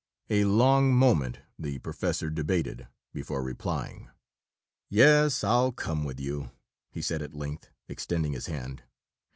A long moment the professor debated, before replying. "Yes, I'll come with you," he said at length, extending his hand.